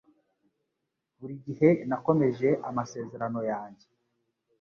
Buri gihe nakomeje amasezerano yanjye.